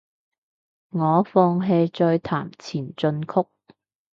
我放棄再彈前進曲